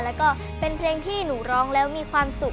แล้วก็เป็นเพลงที่หนูร้องแล้วมีความสุข